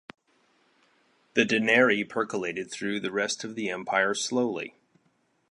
The denarii percolated through the rest of the empire slowly.